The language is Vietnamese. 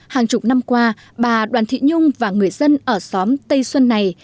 hàng chục năm qua bà đoàn thị nhung và người dân ở xóm tây xuân này